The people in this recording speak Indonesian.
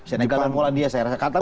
senegal dan polandia saya rasa